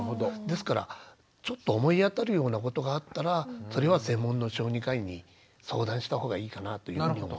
ですからちょっと思い当たるようなことがあったらそれは専門の小児科医に相談したほうがいいかなというように思います。